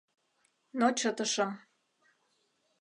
Но чытышым.